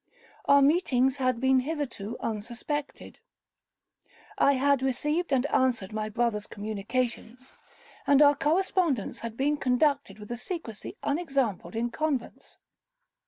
Our meetings had been hitherto unsuspected. I had received and answered my brother's communications, and our correspondence had been conducted with a secrecy unexampled in convents.